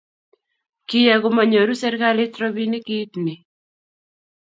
kiyai komanyoru serikalit robinik kiit ni